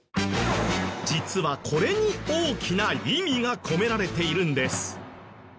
実はこれに大きな意味が込められているんです。